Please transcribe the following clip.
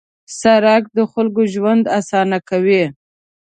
سړک د خلکو ژوند اسانه کوي.